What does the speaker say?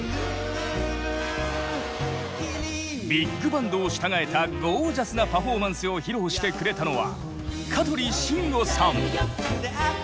ビッグバンドを従えたゴージャスなパフォーマンスを披露してくれたのは香取慎吾さん！